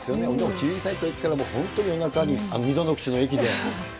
小さいときから、本当に夜中に、溝ノ口の駅で。